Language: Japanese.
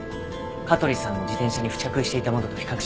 香取さんの自転車に付着していたものと比較します。